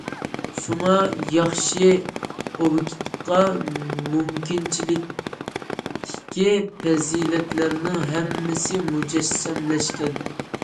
شۇڭا« ياخشى» ئوبيېكتقا مۇمكىنچىلىكتىكى پەزىلەتلەرنىڭ ھەممىسى مۇجەسسەملەشكەن.